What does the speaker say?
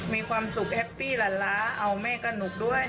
มีความสุขแฮปปี้ละล้าเอาแม่กระหนุกด้วย